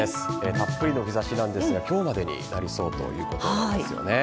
たっぷりの日差しなんですが今日までになりそうということなんです。